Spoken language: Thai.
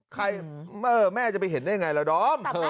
การนอนไม่จำเป็นต้องมีอะไรกัน